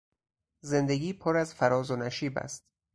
زندگی پر از فراز و نشیب است.